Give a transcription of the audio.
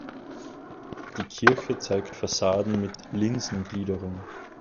Die Kirche zeigt Fassaden mit Lisenengliederung.